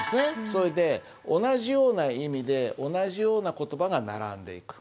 それで同じような意味で同じような言葉が並んでいく。